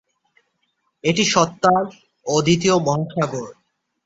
এটি সত্তার অদ্বিতীয় মহাসাগর।